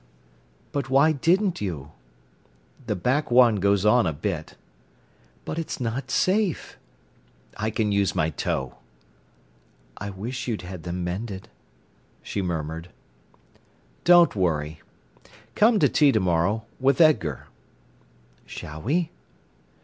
"But why didn't you?" "The back one goes on a bit." "But it's not safe." "I can use my toe." "I wish you'd had them mended," she murmured. "Don't worry—come to tea to morrow, with Edgar." "Shall we?"